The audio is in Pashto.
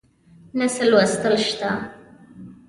نه څه لوست شته